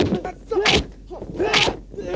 nempat pak s denting kita menjadi penyadar